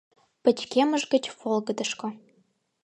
Пычкемыш гыч волгыдышко